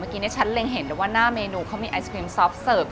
เมื่อกี้เนี่ยฉันเลยเห็นว่าหน้าเมนูเขามีไอศครีมซอฟต์เสิร์ฟ